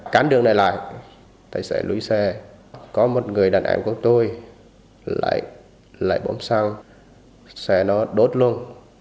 cán đường này lại tài xế lùi xe có một người đàn em của tôi lại bỗng xăng xe nó đốt luôn